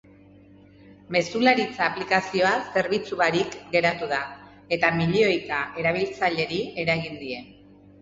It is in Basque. Mezularitza aplikazioa zerbitzu barik geratu da, eta milioika erabiltzaileri eragin die.